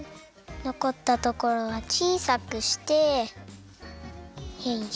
のこったところはちいさくしてよいしょ。